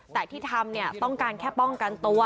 แต่ที่ทำเนี่ยต้องการแค่ป้องกันตัว